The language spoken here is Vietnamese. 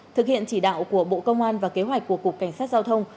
thực hiện chỉ đạo của bộ công an và kế hoạch của cục cảnh sát giao thông